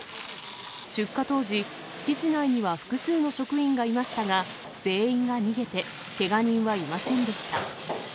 出火当時、敷地内には複数の職員がいましたが、全員が逃げて、けが人はいませんでした。